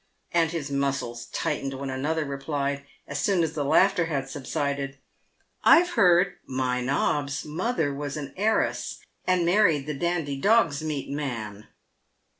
and his muscles tightened when another replied, as soon as the laughter had subsided, " I've heard * my nob's' mother was a heiress, and married the dandy dogs' meat man."